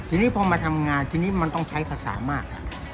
ทีนี้พอมาทำงานทีนี้มันต้องใช้ภาษามาก